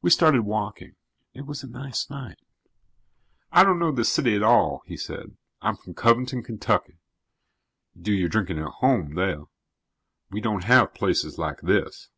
We started walking. It was a nice night. "I don't know this city at all," he said. "I'm from Covington, Kentucky. You do your drinking at home there. We don't have places like this."